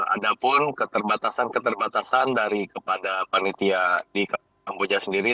ada pun keterbatasan keterbatasan dari kepada panitia di kamboja sendiri